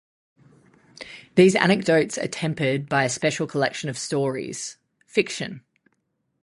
These anecdotes are tempered by a special collection of stories - fiction.